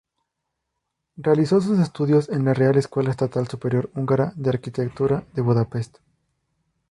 Realizó sus estudios en la Real Escuela Estatal Superior Húngara de Arquitectura de Budapest.